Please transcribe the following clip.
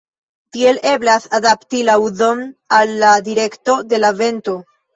Tiel eblas adapti la uzon al la direkto de la vento.